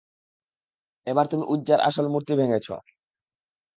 এবার তুমি উযযার আসল মূর্তি ভেঙ্গেছ।